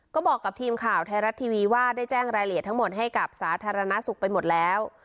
ก็บอกกับทีมข่าวไทยรัฐทีวีว่าได้แจ้งรายละเอียดทั้งหมดให้กับสาธารณสุขไปหมดแล้ว